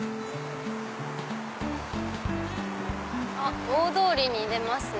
あっ大通りに出ますね。